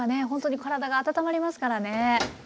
本当に体が温まりますからね。